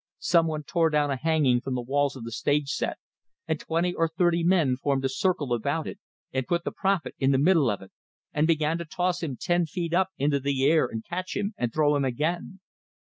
Some one tore down a hanging from the walls of the stage set, and twenty or thirty men formed a cirfcle about it, and put the prophet in the middle of it, and began to toss him ten feet up into the air and catch him and throw him again.